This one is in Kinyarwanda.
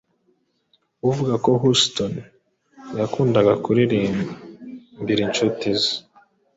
avuga ko Houston yakundaga kuririmbira inshuti ze